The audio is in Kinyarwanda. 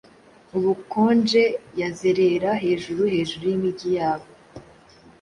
Ubukonje yazerera hejuru, hejuru yimijyi yabo